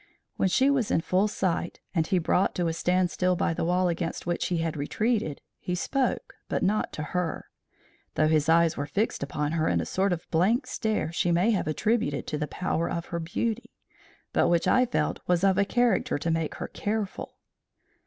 When she was in full sight and he brought to a stand still by the wall against which he had retreated, he spoke, but not to her, though his eyes were fixed upon her in a sort of blank stare she may have attributed to the power of her beauty, but which I felt was of a character to make her careful.